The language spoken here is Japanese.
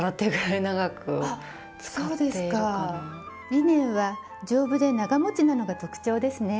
リネンは丈夫で長もちなのが特長ですね。